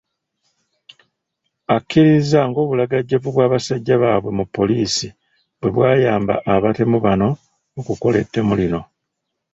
Akkiriza ng’obulagajjavu bw’abasajja baabwe mu poliisi bwe bwayamba abatemu bano okukola ettemu lino.